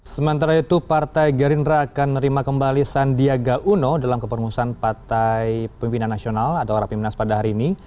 sementara itu partai gerindra akan menerima kembali sandiaga uno dalam kepermusuhan partai pimpinan nasional atau rapimnas pada hari ini